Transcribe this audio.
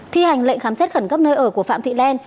thi hành lệnh khám xét khẩn cấp nơi ở của phạm thị len